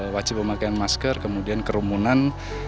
wajib memakai masker kemudian kerumunan